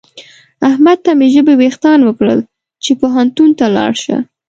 احمد ته مې ژبې وېښتان وکړل چې پوهنتون ته ولاړ شه.